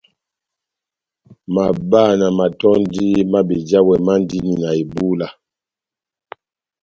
Mabá na matɔ́ndi má bejawɛ mandini na bebúla.